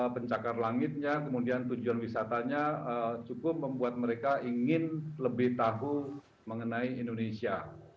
pencakar langitnya kemudian tujuan wisatanya cukup membuat mereka ingin lebih tahu mengenai indonesia